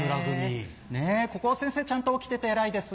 ここは先生ちゃんと起きてて偉いですね。